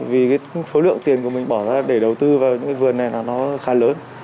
vì số lượng tiền của mình bỏ ra để đầu tư vào những vườn này nó khá lớn